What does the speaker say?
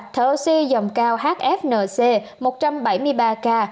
thở oxy dòng cao hfnc một trăm bảy mươi ba k